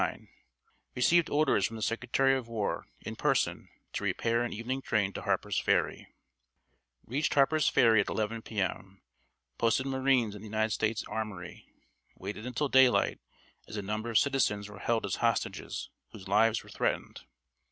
Received orders from the Secretary of War, in person, to repair in evening train to Harper's Ferry. "Reached Harper's Ferry at 11 P. M. ... Posted marines in the United States Armory. Waited until daylight, as a number of citizens were held as hostages, whose lives were threatened.